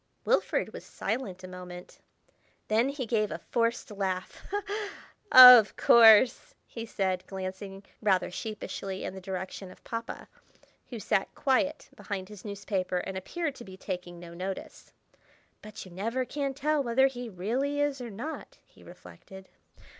Wilfrid was silent a moment; then he gave a forced laugh. "Of course!" he said, glancing rather sheepishly in the direction of Papa, who sat quiet behind his newspaper, and appeared to be taking no notice. ("But you never can tell whether he really is or not," he reflected.)